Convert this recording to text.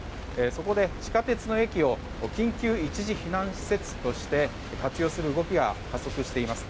そこで、地下鉄の駅を緊急一時避難施設として活用する動きが加速しています。